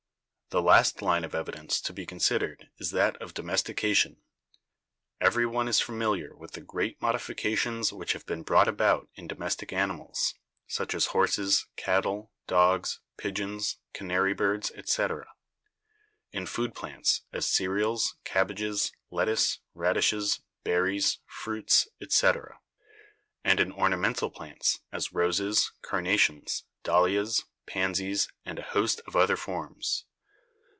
The last line of evidence to be considered is that of 'domestication.' Every one is familiar with the great modifications which have been brought about in domestic animals, such as horses, cattle, dogs, pigeons, canary birds, etc.; in food plants, as cereals, cabbages, lettuce, radishes, berries, fruits, etc. ; and in ornamental plants, as roses, carnations, dahlias, pansies and a host of other forms.